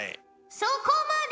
そこまで！